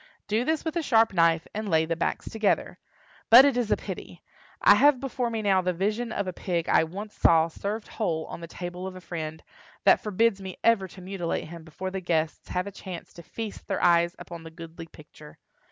Do this with a sharp knife, and lay the backs together. But it is a pity! I have before me now the vision of a pig I once saw served whole on the table of a friend, that forbids me ever to mutilate him before the guests have a chance to feast their eyes upon the goodly picture.